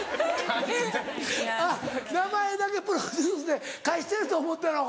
あっ名前だけプロデュースで貸してると思ってたのか。